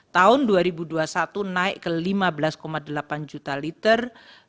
tahun dua ribu dua puluh satu naik ke lima belas delapan juta liter